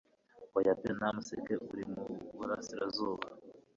Oya pe nta museke uri mu burasirazuba